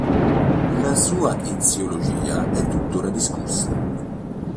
La sua eziologia è tuttora discussa.